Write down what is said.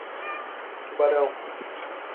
Tubarão